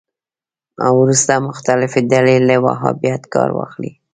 وروسته مختلفې ډلې له وهابیت کار واخلي